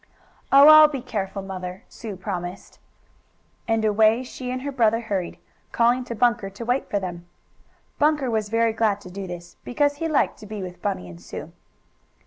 "Oh, I'll be careful, Mother," Sue promised, and away she and her brother hurried, calling to Bunker to wait for them. Bunker was very glad to do this, because he liked to be with Bunny and Sue.